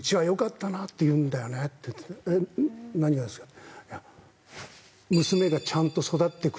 何がですか？